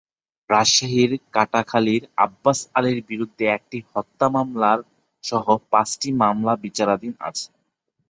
রাজশাহীর কাটাখালীর আব্বাস আলীর বিরুদ্ধে একটি হত্যা মামলাসহ পাঁচটি মামলা বিচারাধীন আছে।